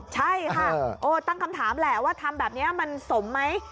ใช่ค่ะตั้งคำถามแหละว่าทำแบบนี้มันสมไหม